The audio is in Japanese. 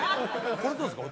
これどうですか？